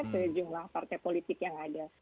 sejumlah partai politik yang ada